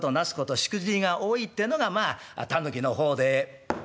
しくじりが多いってのがまあ狸の方で。